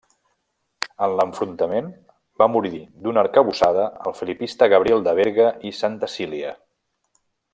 En l'enfrontament va morir d'una arcabussada el filipista Gabriel de Berga i Santacília.